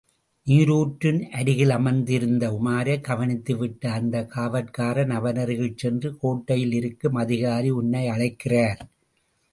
நீருற்றின் அருகிலமர்ந்திருந்த உமாரை கவனித்துவிட்ட அந்த காவற்காரன், அவனருகில் சென்று, கோட்டையிலிருக்கும் அதிகாரி உன்னை அழைக்கிறார்.